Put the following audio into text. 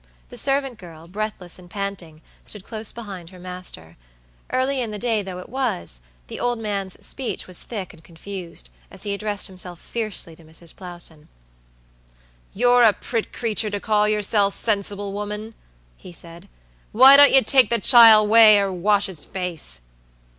The servant girl, breathless and panting, stood close behind her master. Early in the day though it was, the old man's speech was thick and confused, as he addressed himself fiercely to Mrs. Plowson. "You're a prett' creature to call yoursel' sensible woman?" he said. "Why don't you take th' chile 'way, er wash 's face?